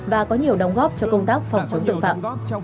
và có nhiều đóng góp cho công tác phong trào tội phạm